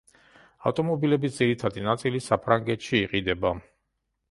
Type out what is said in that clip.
ავტომობილების ძირითადი ნაწილი საფრანგეთში იყიდება.